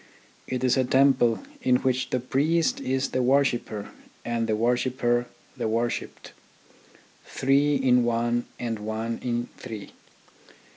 It is a temple in which the priest is the worshipper and the wor shipper the worshipped : three in one and one in three.